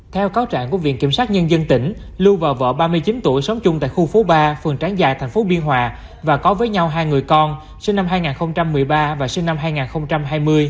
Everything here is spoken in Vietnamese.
theo cáo trạng của viện kiểm sát nhân dân tỉnh lưu và vợ ba mươi chín tuổi sống chung tại khu phố ba phường tráng giải tp biên hòa và có với nhau hai người con sinh năm hai nghìn một mươi ba và sinh năm hai nghìn hai mươi